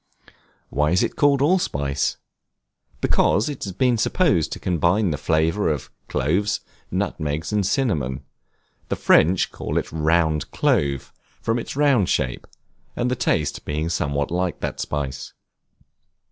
Why is it called Allspice? Because it has been supposed to combine the flavor of cloves, nutmegs, and cinnamon; the French call it round clove, from its round shape, and the taste being somewhat like that spice.